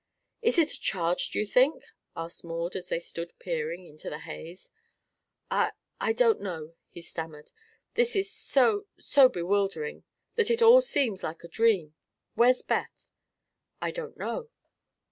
"Is it a charge, do you think?" asked Maud, as they stood peering into the haze. "I I don't know," he stammered. "This is so so bewildering that it all seems like a dream. Where's Beth?" "I don't know."